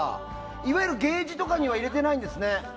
いわゆるケージとかには入れてないんですね。